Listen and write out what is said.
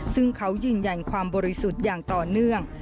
ซึ่งเขายืนยันความบริสุทธิ์อย่างต่อเนื่อง